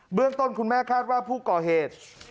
เรื่องต้นคุณแม่คาดว่าผู้ก่อเหตุ